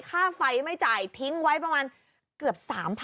ค่าไฟไม่จ่ายทิ้งไว้ประมาณเกือบ๓๐๐๐